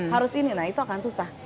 harus ini nah itu akan susah